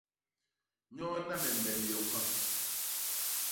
Nyodna me mbem yoñ ha!